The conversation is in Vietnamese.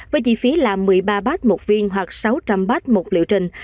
với chi phí là một mươi ba bát một viên hoặc sáu trăm linh bát một liệu trình